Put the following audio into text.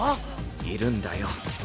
いるんだよ。